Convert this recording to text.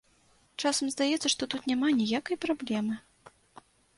Часам здаецца, што тут няма ніякай праблемы.